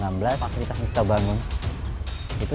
jadi kita berharap kita bisa menjaga kepentingan kita